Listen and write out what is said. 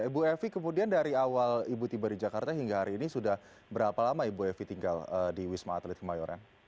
ibu evi kemudian dari awal ibu tiba di jakarta hingga hari ini sudah berapa lama ibu evi tinggal di wisma atlet kemayoran